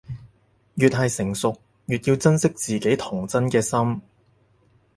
越係成熟，越要珍惜自己童真嘅心